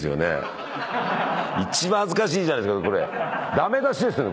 駄目出しですよね